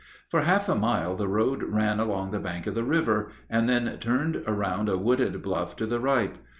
] For half a mile the road ran along the bank of the river, and then turned around a wooded bluff to the right.